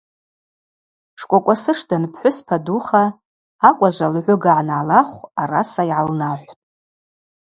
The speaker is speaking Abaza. Шкӏвокӏвасыш данпхӏвыспа духа, акӏважва лгӏвыга ангӏалахв, араса йгӏалнахӏвтӏ:.